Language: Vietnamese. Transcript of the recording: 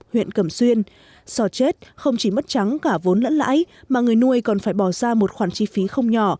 huyện cẩm xuyên sò chết không chỉ mất trắng cả vốn lẫn lãi mà người nuôi còn phải bỏ ra một khoản chi phí không nhỏ